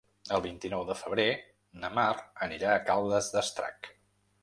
El vint-i-nou de febrer na Mar anirà a Caldes d'Estrac.